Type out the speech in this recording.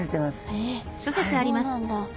へえそうなんだ。